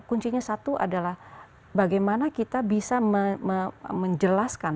jadi kuncinya satu adalah bagaimana kita bisa menjelaskan